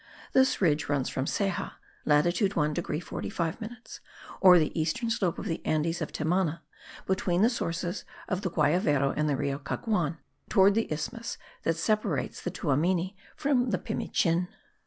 This ridge runs from Ceja (latitude 1 degree 45 minutes), or the eastern slope of the Andes of Timana, between the sources of the Guayavero and the Rio Caguan, towards the isthmus that separates the Tuamini from Pimichin.